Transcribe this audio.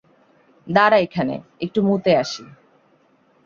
দাঁড়া এখানে, একটু মুতে আসি।